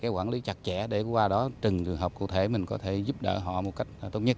quản lý chặt chẽ để qua đó trừng trường hợp cụ thể mình có thể giúp đỡ họ một cách tốt nhất